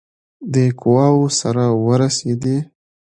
دی قواوو سره ورسېدی.